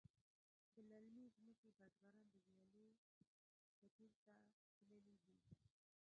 د للمې ځمکې بزگران د ویالې کټیر ته تللي دي.